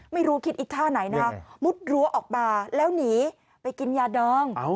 ไม่รู้คิดอีกท่าไหนนะคะมุดรั้วออกมาแล้วหนีไปกินยาดอง